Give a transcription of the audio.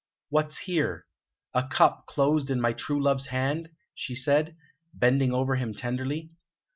"What's here? A cup, closed in my true love's hand?" she said, bending over him tenderly.